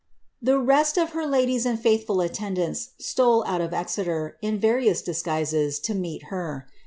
The rest of her ladies and faithful attendants stole out of Exeter, in arious disguises, to meet her.